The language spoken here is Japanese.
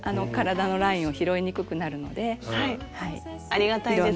ありがたいです。